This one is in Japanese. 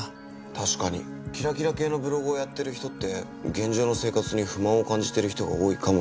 確かにキラキラ系のブログをやってる人って現状の生活に不満を感じてる人が多いかもしれないです。